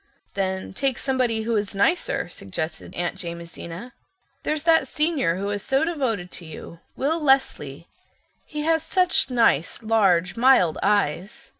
"Then take somebody who is nicer" suggested Aunt Jamesina. "There's that Senior who is so devoted to you—Will Leslie. He has such nice, large, mild eyes."